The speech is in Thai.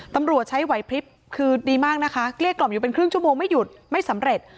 ตำรวจใช้ไหวพลิบคือดีมากนะคะเกลี้ยกล่อมอยู่เป็นครึ่งชั่วโมงไม่หยุดไม่สำเร็จ